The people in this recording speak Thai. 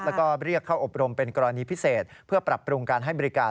แล้วก็เรียกเข้าอบรมเป็นกรณีพิเศษเพื่อปรับปรุงการให้บริการ